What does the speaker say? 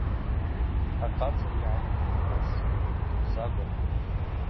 Ахъацӏа йгӏайыдгылыз дбзагвапӏ.